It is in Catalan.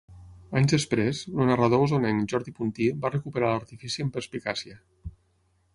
Anys després, el narrador osonenc Jordi Puntí va recuperar l'artifici amb perspicàcia.